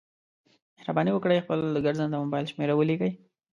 مهرباني وکړئ خپل د ګرځنده مبایل شمېره ولیکئ